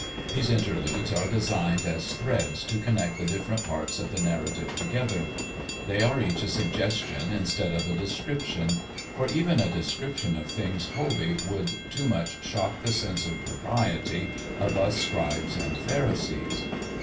These interludes are designed as threads to connect the different parts of the narrative together. They are each a suggestion instead of a description; for even a description of things holy would too much shock the sense of propriety of us scribes and pharisees.